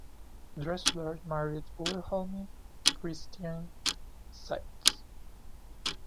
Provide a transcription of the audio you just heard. Dressler married Wilhelmine Christiane Zeitz.